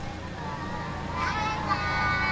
バイバーイ。